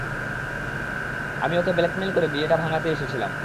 আমি ওকে ব্ল্যাকমেইল করে বিয়েটা ভাঙতে এসেছিলাম।